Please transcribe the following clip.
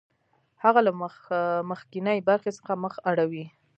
هغه له مخکینۍ برخې څخه مخ اړوي